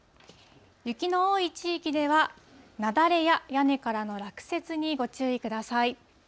雪の多い地域では雪崩や屋根からの落雪にご注意ください。